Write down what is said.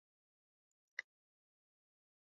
د هرات په ګذره کې څه شی شته؟